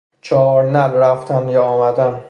چهارنعل رفتن یا آمدن